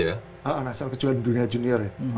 iya nasional kecuali dunia junior ya